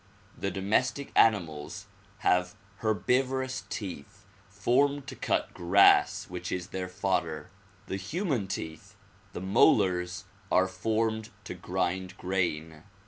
The domestic animals have herbivorous teeth formed to cut grass which is their fodder. The human teeth, the molars, are formed to grind grain.